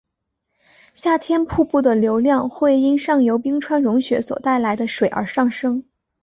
夏天瀑布的流量会因上游冰川融雪所带来的水而上升。